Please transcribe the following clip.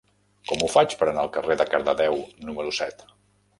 Com ho faig per anar al carrer de Cardedeu número set?